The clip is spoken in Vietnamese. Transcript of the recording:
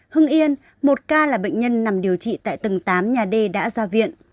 hưng yên một ca là bệnh nhân nằm điều trị tại tầng tám nhà d đã ra viện